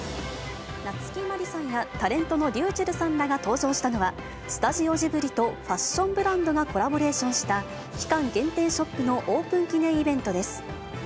夏木マリさんやタレントのリュウチェルさんらが登場したのは、スタジオジブリとファッションブランドがコラボレーションした、期間限定ショップのオープン記念